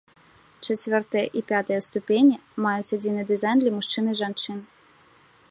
Чацвёртая і пятая ступені маюць адзіны дызайн для мужчын і жанчын.